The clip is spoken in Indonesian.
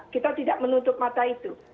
kita tidak menutup mata itu